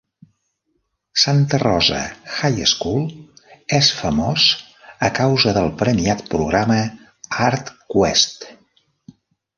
Santa Rosa High School és famós a causa del premiat programa ArtQuest.